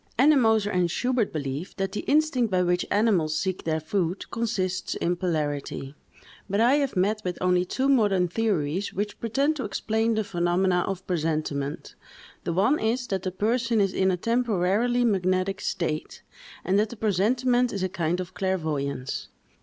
Ennemoser and Schubert believe, that the instinct by which animals seek their food, consists in polarity, but I have met with only two modern theories which pretend to explain the phenomena of presentiment; the one is, that the person is in a temporarily magnetic state, and that the presentiment is a kind of clairvoyance.